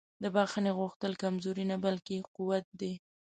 د بښنې غوښتل کمزوري نه بلکې قوت دی.